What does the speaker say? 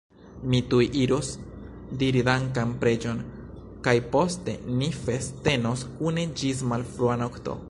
Mi tuj iros diri dankan preĝon, kaj poste ni festenos kune ĝis malfrua nokto!